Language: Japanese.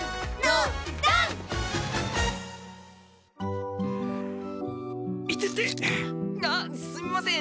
あっすみません。